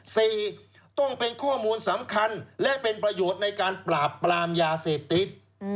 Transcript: ต้องเป็นข้อมูลสำคัญและเป็นประโยชน์ในการปราบปรามยาเสพติด